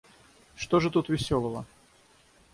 Что же тут веселого?